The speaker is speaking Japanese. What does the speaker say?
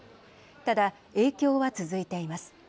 ただ、影響は続いています。